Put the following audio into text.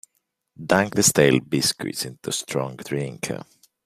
Dunk the stale biscuits into strong drink.